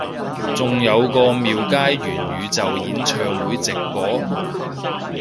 仲有個廟街元宇宙演唱會直播？